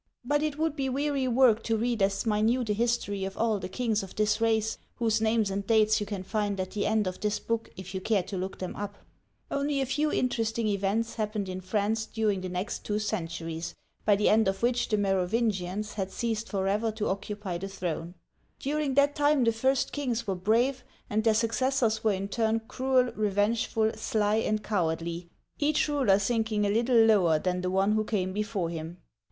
But it would be weary work to read as minute a history of all the kings of this race, whose names and dates you can find at the end of this book if you care to look them up. ^ These names may be seen on the map on p. 69. Digitized by VjOOQIC 58 OLD FRANCE Only a few interesting events happened in France during the next two centuries, by the end of which the Merovin gians had ceased forever to occupy the throne. During that time the first kings were brave, and their successors were in turn cruel, revenge ful, sly, and cowardly, each ruler sinking a little lower than the one who came before him.